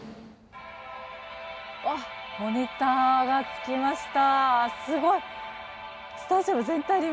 モニターがつきました。